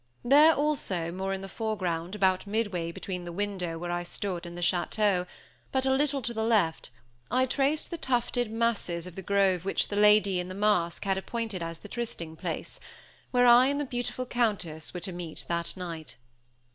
There, also, more in the foreground, about midway between the window where I stood and the château, but a little to the left, I traced the tufted masses of the grove which the lady in the mask had appointed as the trysting place, where I and the beautiful Countess were to meet that night.